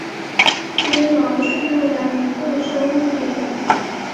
鞭毛是用来移动生物体的。